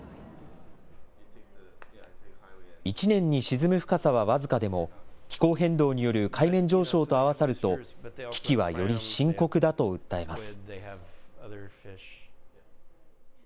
１年に沈む深さは僅かでも、気候変動による海面上昇と合わさると、危機はより深刻だと訴えます。